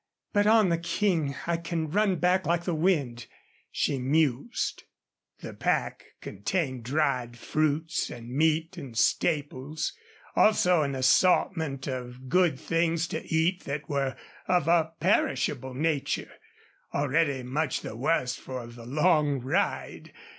"But on the King I can run back like the wind," she mused. The pack contained dried fruits and meat and staples, also an assortment of good things to eat that were of a perishable nature, already much the worse for the long ride.